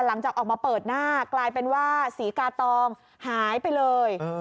หลังจากออกมาเปิดหน้ากลายเป็นว่าศรีกาตองหายไปเลย